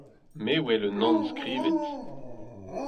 Me wel un anv skrivet…